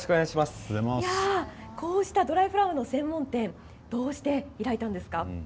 こうしたドライフラワーの専門店どうして開いたんですか？